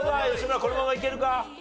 このままいけるか？